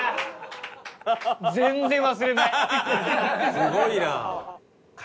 すごいな。